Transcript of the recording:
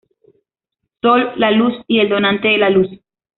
Soy la luz y el donante de la luz.